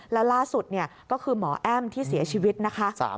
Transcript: แล้วล่าสุดก็คือหมอแอ้มที่เสียชีวิตนะคะ